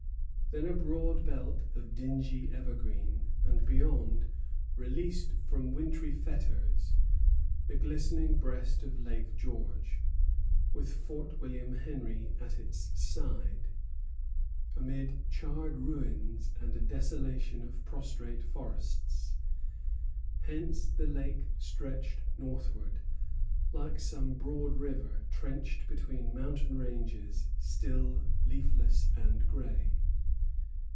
Then a broad belt of dingy evergreen; and beyond, released from wintry fetters, the glistening breast of Lake George, with Fort William Henry at its side, amid charred ruins and a desolation of prostrate forests. Hence the lake stretched northward, like some broad river, trenched between mountain ranges still leafless and gray.